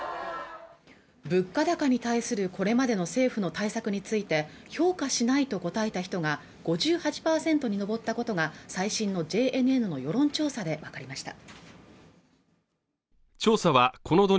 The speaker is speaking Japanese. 物価高に対するこれまでの政府の対策について評価しないと答えた人が５８％に上ったことが最新のＪＮＮの世論調査でわかりました